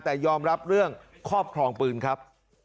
แต่ยอมรับเรื่องครอบครองปืนครับ